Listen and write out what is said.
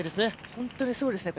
本当にそうですね